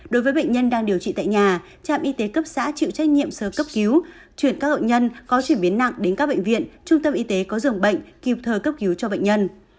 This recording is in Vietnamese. đối với bệnh nhân đang điều trị tại nhà trạm y tế cấp xã chịu trách nhiệm sơ cấp cứu chuyển các bệnh nhân có chuyển biến nặng đến các bệnh viện trung tâm y tế có dường bệnh kịp thời cấp cứu cho bệnh nhân